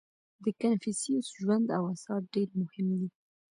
• د کنفوسیوس ژوند او آثار ډېر مهم دي.